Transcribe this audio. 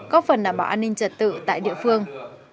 có phần đảm bảo an ninh trật tự tại địa phương